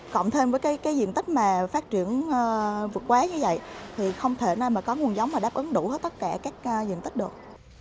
cộng thêm với diện tích phát triển vượt quá như vậy không thể có nguồn giống đáp ứng đủ tất cả các diện tích được